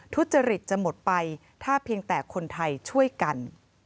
ทุจริตจะหมดไปถ้าเพียงแต่คนไทยช่วยกัน